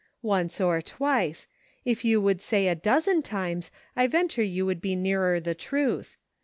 'Once or twice '; if you would say a dozen times, I venture you would be nearer the truth.